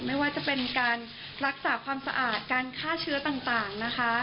ไม่ว่าจะเป็นการรักษาความสะอาดการฆ่าเชื้อต่างนะคะ